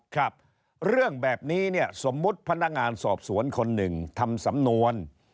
ครับเรื่องแบบนี้เนี่ยสมมุติพนักงานสอบสวนคนหนึ่งทำสำนวน